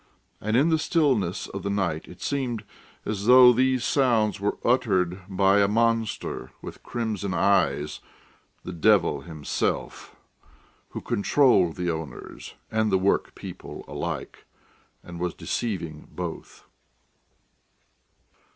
And in the stillness of the night it seemed as though these sounds were uttered by a monster with crimson eyes the devil himself, who controlled the owners and the work people alike, and was deceiving both.